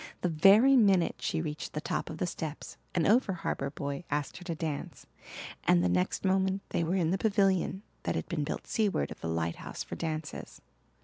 The very minute she reached the top of the steps an over harbour boy asked her to dance and the next moment they were in the pavilion that had been built seaward of the lighthouse for dances.